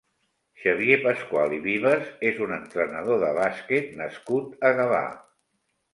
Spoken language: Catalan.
Xavier Pascual i Vives és un entrenador de bàsquet nascut a Gavà.